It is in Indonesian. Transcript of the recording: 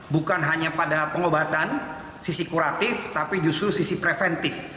bukan hanya pada pengobatan sisi kuratif tapi justru sisi preventif